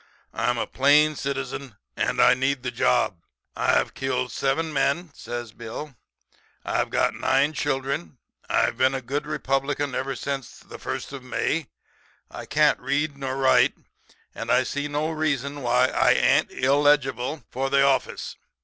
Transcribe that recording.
I'm a plain citizen and I need the job. I've killed seven men,' says Bill; 'I've got nine children; I've been a good Republican ever since the first of May; I can't read nor write, and I see no reason why I ain't illegible for the office.